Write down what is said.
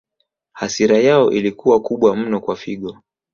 Hasira yao ilikuwa kubwa mno kwa Figo